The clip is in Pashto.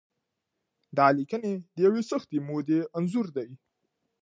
دا لیکنې د یوې سختې مودې انځور دی.